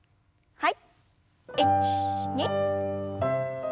はい。